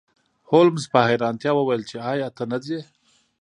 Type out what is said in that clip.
هولمز په حیرانتیا وویل چې ایا ته نه ځې